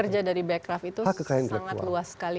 jadi lingkup kerja dari bekraf itu sangat luas sekali